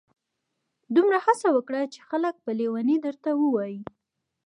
دومره هڅه وکړه چي خلک په لیوني درته ووایي.